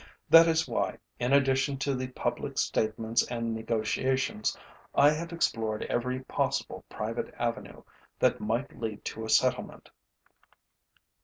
That is why in addition to the public statements and negotiations, I have explored every possible private avenue that might lead to a settlement.